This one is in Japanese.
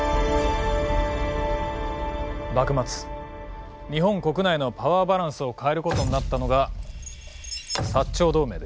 幕末日本国内のパワーバランスを変えることになったのが長同盟です。